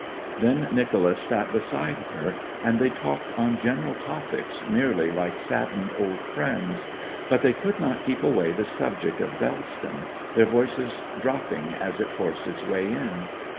Then Nicholas sat beside her, and they talked on general topics merely like saddened old friends. But they could not keep away the subject of Bellston, their voices dropping as it forced its way in.